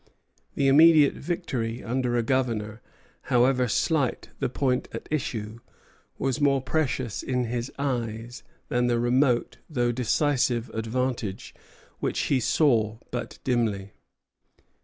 The immediate victory over a governor, however slight the point at issue, was more precious in his eyes than the remote though decisive advantage which he saw but dimly.